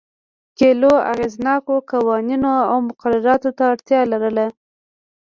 کلیو اغېزناکو قوانینو او مقرراتو ته اړتیا لرله